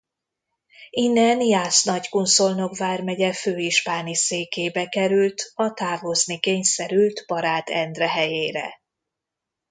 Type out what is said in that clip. Innen Jász-Nagykun-Szolnok vármegye főispáni székébe került a távozni kényszerült Baráth Endre helyére.